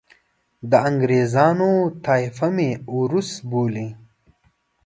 د انګریزانو طایفه مې اوروس بولي.